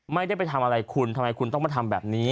ไม่ได้ไปทำอะไรคุณทำไมคุณต้องมาทำแบบนี้